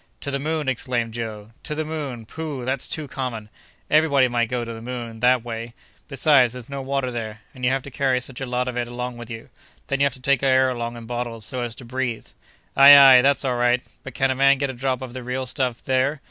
"To the moon!" exclaimed Joe, "To the moon! pooh! that's too common. Every body might go to the moon, that way. Besides, there's no water there, and you have to carry such a lot of it along with you. Then you have to take air along in bottles, so as to breathe." "Ay! ay! that's all right! But can a man get a drop of the real stuff there?"